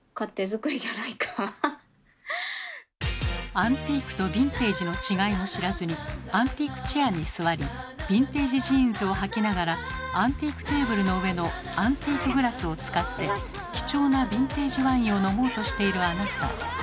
「アンティーク」と「ヴィンテージ」の違いも知らずにアンティークチェアに座りヴィンテージジーンズをはきながらアンティークテーブルの上のアンティークグラスを使って貴重なヴィンテージワインを飲もうとしているあなた。